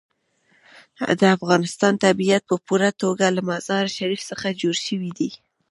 د افغانستان طبیعت په پوره توګه له مزارشریف څخه جوړ شوی دی.